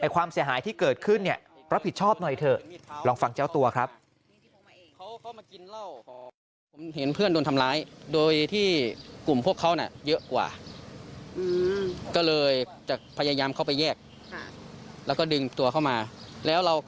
ความเสียหายที่เกิดขึ้นรับผิดชอบหน่อยเถอะลองฟังเจ้าตัวครับ